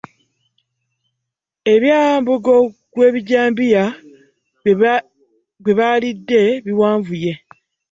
Ebyambugo g'owebijambiya g'ebaalidde biwanvuye.